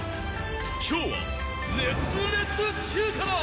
今日は熱烈中華だ。